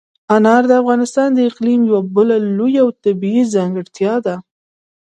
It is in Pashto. انار د افغانستان د اقلیم یوه بله لویه او طبیعي ځانګړتیا ده.